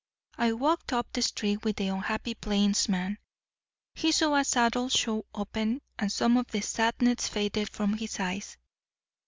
"I walked up the street with the unhappy plainsman. He saw a saddle shop open, and some of the sadness faded from his eyes.